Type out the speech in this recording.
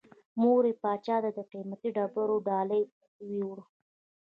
مور یې پاچا ته د قیمتي ډبرو ډالۍ یووړه.